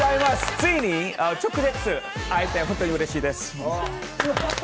ついに直接会えて、本当にうれしいです。